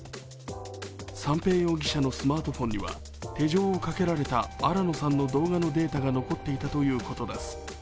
三瓶容疑者のスマートフォンには手錠をかけられた新野さんの動画のデータが残っていたということです。